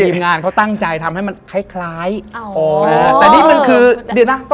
ทีมงานเขาตั้งใจทำให้ใหม่แคล้